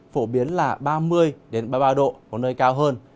phổ biến là ba mươi ba mươi ba độ có nơi cao hơn